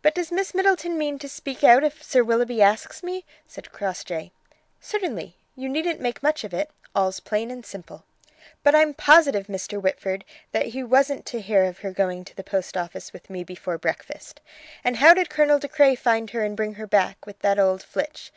"But does Miss Middleton mean me to speak out if Sir Willoughby asks me?" said Crossjay. "Certainly. You needn't make much of it. All's plain and simple." "But I'm positive, Mr. Whitford, he wasn't to hear of her going to the post office with me before breakfast. And how did Colonel De Craye find her and bring her back, with that old Flitch?